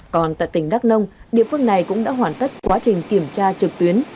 còn tại tỉnh đắk nông địa phương này cũng đã hoàn tất quá trình kiểm tra trực tuyến